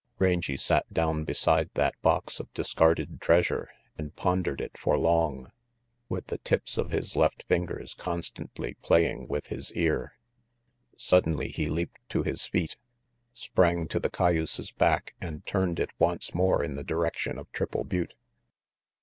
Rangy sat down beside that box of discarded treasure and pondered it for long, with the tips of his left fingers constantly playing with his ear. 250 RANGY PETE Suddenly he leaped to his feet, sprang to the cayuse's back and turned it once more in the direction of Triple Butte.